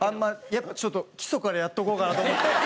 やっぱちょっと基礎からやっておこうかなと思って。